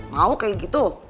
mau kayak gitu